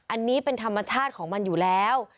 อันนี้เป็นธรรมชาติของมันอยู่แล้ว